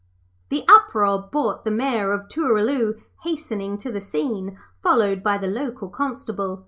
The uproar brought the Mayor of Tooraloo hastening to the scene, followed by the local constable.